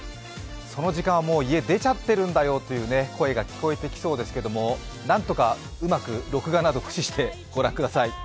その時間は、もう家出ちゃってるんだよという声が聞こえそうですけれども、なんとかうまく録画など駆使してご覧ください。